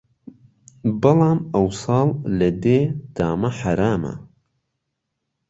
بەڵام ئەو ساڵ لە دێ دامە حەرامە